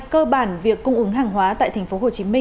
cơ bản việc cung ứng hàng hóa tại tp hcm